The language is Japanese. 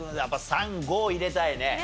やっぱ３５入れたいね。